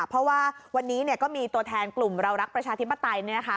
เพราะว่าวันนี้เนี้ยก็มีตัวแทนกลุ่มรัวรักประชาธิปไตยเนี้ยนะคะ